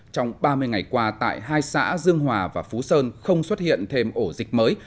trong ba mươi ngày qua tại hai xã dương hòa và phú sơn không xuất hiện thêm ổ dịch mới